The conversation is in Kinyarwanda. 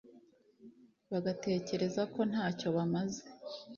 bagatekereza ko nta cyo bamaze